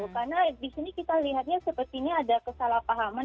karena di sini kita lihatnya sepertinya ada kesalahpahaman